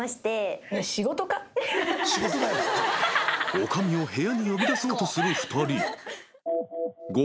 ［女将を部屋に呼び出そうとする２人］